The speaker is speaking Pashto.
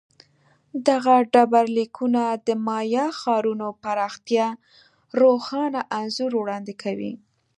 دغه ډبرلیکونه د مایا ښارونو پراختیا روښانه انځور وړاندې کوي